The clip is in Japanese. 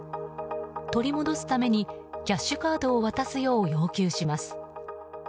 取り戻すためにキャッシュカードを渡すよう要求します。